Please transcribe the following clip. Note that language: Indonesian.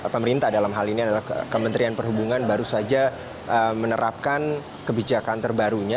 pemerintah dalam hal ini adalah kementerian perhubungan baru saja menerapkan kebijakan terbarunya